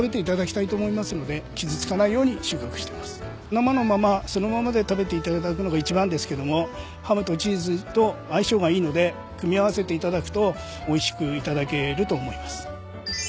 生のままそのままで食べていただくのが一番ですけどもハムとチーズと相性がいいので組み合わせていただくとおいしく頂けると思います。